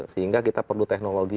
sehingga kita perlu teknologi